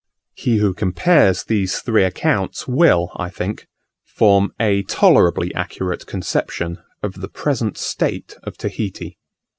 He who compares these three accounts will, I think, form a tolerably accurate conception of the present state of Tahiti.